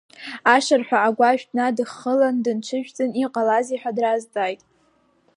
Ашырҳәа агәашә днадыххыланы дылҽыжәҵын, иҟалазеи ҳәа дразҵааит.